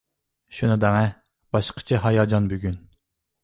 شۇنى دەڭە، باشقىچە ھاياجان بۈگۈن!